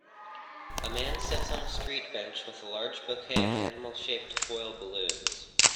A man sits on a street bench with a large bouquet of animalshaped foil balloons.